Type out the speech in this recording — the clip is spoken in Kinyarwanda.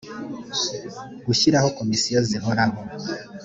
gushyiraho komisiyo zihoraho